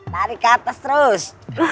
tarik ke atas terus